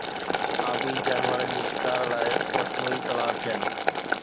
آبي جانورن جي شڪار لاءِ مصنوعي تلاءُ ٿيڻ